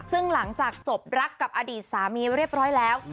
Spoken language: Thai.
ซึ่งหลังจากจบรักกับอดีตสามีเรียบร้อยแล้ว